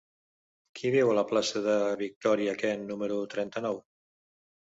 Qui viu a la plaça de Victòria Kent número trenta-nou?